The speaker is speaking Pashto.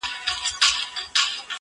• ته مي لیدې چي دي د پرخي مرغلیني دانې -